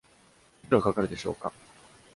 いくらかかるでしょうか。